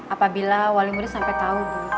apabila wali murid sampai tahu